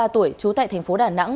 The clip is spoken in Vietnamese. ba mươi ba tuổi trú tại tp đà nẵng